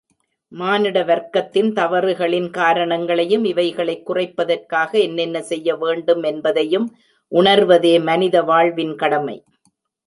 மானிட வர்க்கத்தின் தவறுகளின் காரணங்களையும், இவைகளைக் குறைப்பதற்காக என்னென்ன செய்ய வேண்டும் என்பதையும் உணர்வதே மனித வாழ்வின் கடமை.